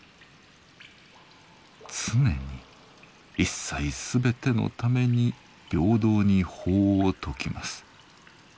常に一切すべてのために平等に法を説きます。